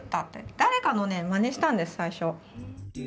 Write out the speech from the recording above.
誰かのねまねしたんです最初。